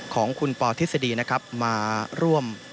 ของคุณปทฤษฎีนะครับมาร่วม